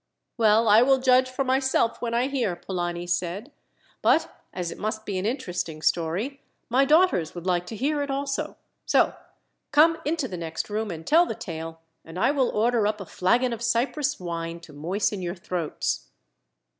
"Well, I will judge for myself when I hear," Polani said. "But, as it must be an interesting story, my daughters would like to hear it also. So, come into the next room and tell the tale, and I will order up a flagon of Cyprus wine to moisten your throats."